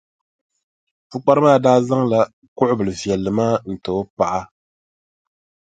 Pukpara maa daa zaŋla kuɣʼ bilʼ viɛlli maa n-ti o paɣa.